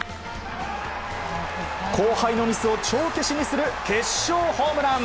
後輩のミスを帳消しにする決勝ホームラン！